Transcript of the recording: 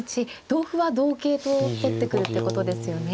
同歩は同桂と取ってくるってことですよね。